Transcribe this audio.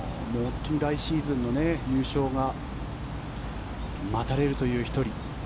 来シーズンの優勝が待たれるという１人。